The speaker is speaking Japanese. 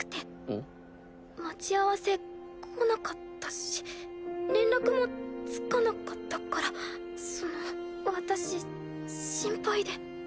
ん？待ち合わせ来なかったし連絡もつかなかったからその私心配で。